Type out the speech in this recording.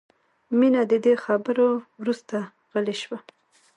مینه د دې خبرو وروسته غلې شوه